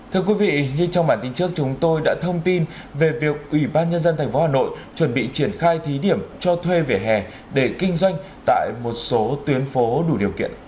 thưa quý vị như trong bản tin trước chúng tôi đã thông tin về việc ủy ban nhân dân tp hà nội chuẩn bị triển khai thí điểm cho thuê vỉa hè để kinh doanh tại một số tuyến phố đủ điều kiện